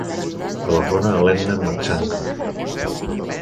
Telefona a l'Etna Marchante.